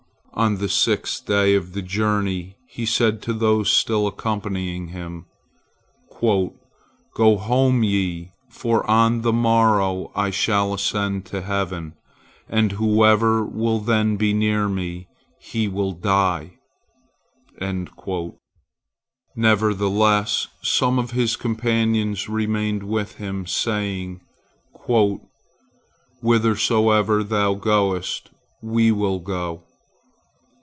On the sixth day of the journey, he said to those still accompanying him, "Go ye home, for on the morrow I shall ascend to heaven, and whoever will then be near me, he will die." Nevertheless, some of his companions remained with him, saying: "Whithersoever thou goest, we will go.